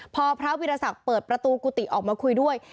พอพระวิรสักเปิดประตูกุฏิออกมาคุยด้วย